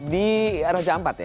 di raja ampat ya